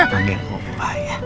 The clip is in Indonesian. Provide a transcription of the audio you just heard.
panggil opa ya